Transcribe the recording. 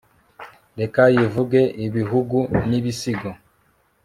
reka yivuge ibihugu n'ibisigo